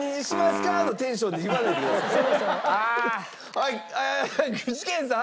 はい具志堅さん。